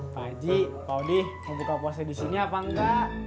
pak haji pak odi mau buka posnya disini apa engga